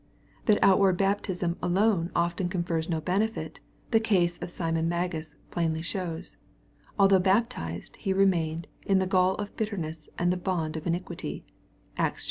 — That outward baptism alone often confers no benefit, the case of Simon Magus plainly shews. Although baptized, he remained '^ in the gall of bitterness and bond of in iquity." (Acts iii.